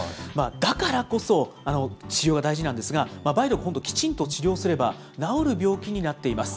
だからこそ、治療が大事なんですが、梅毒、本当、きちんと治療すれば治る病気になっています。